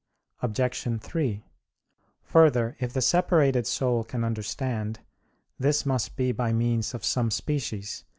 Obj. 3: Further, if the separated soul can understand, this must be by means of some species.